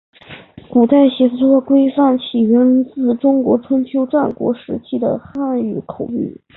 古代写作规范起源自中国春秋战国时期的汉语口语。